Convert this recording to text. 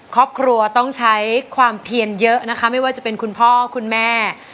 ครอบครัวต้องใช้ความเพียนเยอะนะคะไม่ว่าจะเป็นคุณพ่อคุณแม่